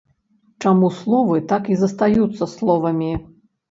Чаму словы так і застаюцца словамі?